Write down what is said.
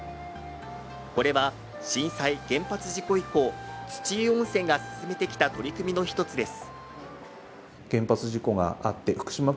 これは震災・原発事故以降、土湯温泉が進めてきた取り組みの１つです